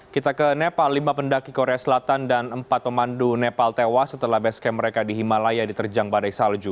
kita ke nepal lima pendaki korea selatan dan empat pemandu nepal tewas setelah base camp mereka di himalaya diterjang badai salju